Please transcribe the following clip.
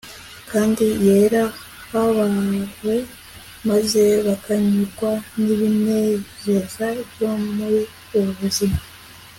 kandi yera bahawe maze bakanyurwa nibinezeza byo muri ubu buzima